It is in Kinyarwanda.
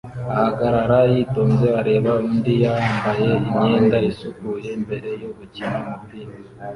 ahagarara yitonze areba undi yambaye imyenda isukuye mbere yo gukina umupira